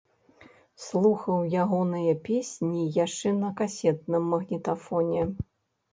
Слухаў ягоныя песні яшчэ на касетным магнітафоне.